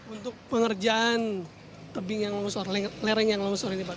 untuk pengerjaan tebing yang longsor lereng yang longsor ini pak